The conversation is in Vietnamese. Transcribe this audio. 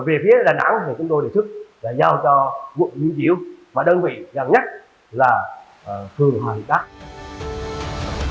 về phía đà nẵng chúng tôi đề xuất nhau cho quận lên triều đơn vị gần nhất là phương hoa hiệp bắc